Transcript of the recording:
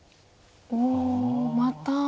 おおまた。